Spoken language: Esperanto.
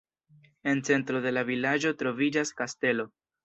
En centro de la vilaĝo troviĝas kastelo.